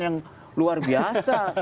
yang luar biasa